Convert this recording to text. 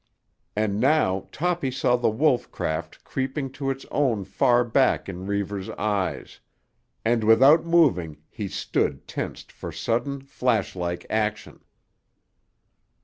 And now Toppy saw the wolf craft creeping to its own far back in Reivers' eyes, and without moving he stood tensed for sudden, flash like action.